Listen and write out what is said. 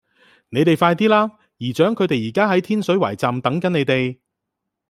你哋快啲啦!姨丈佢哋而家喺天水圍站等緊你哋